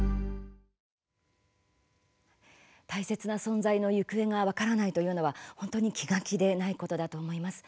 大切な存在の行方が分からないというのは本当に気が気でないと思います。